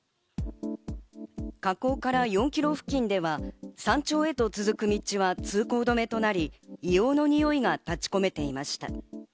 火口から４ｋｍ付近では山頂へと続く道は通行止めとなり、硫黄のにおいが立ち込めていました。